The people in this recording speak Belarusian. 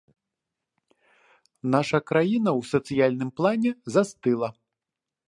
Наша краіна ў сацыяльным плане застыла.